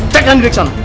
cek dan diri ke sana